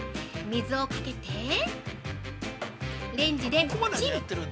水をかけてレンジでチン！